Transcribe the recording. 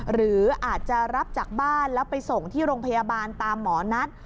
หรืออาจจะรับจากบ้านแล้วไปส่งที่โรงพยาบาลตามหมอนัด